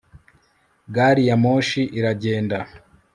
gariyamoshi iragenda